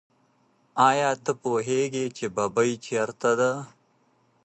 آیا ته پوهېږې چې ببۍ چېرته ده؟